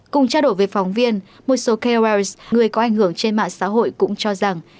cùng trao đổi với phóng viên một số kwh người có ảnh hưởng trên mạng xã hội cũng cho rằng